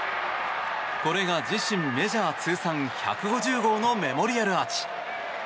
これが自身メジャー通算１５０号のメモリアルアーチ。